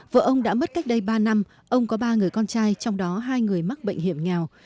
vợ ông đã mất cách đây ba năm ông có ba người con trai trong đó hai người mắc bệnh hiểm nghèo